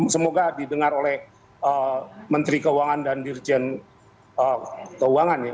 semoga didengar oleh menteri keuangan dan dirjen keuangan ya